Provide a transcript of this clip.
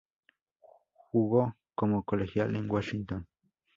Jugo como colegial en Washington.